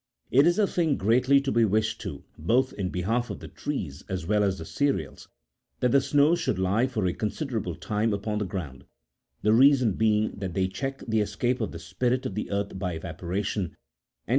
It is a thing greatly to be wished, too, both in behalf of the trees as well as the cereals, that the snows should lie for a considerable time upon the ground ; the reason being that they check the escape of the spirit of the earth by evaporation, and tend to throw it 18 See B.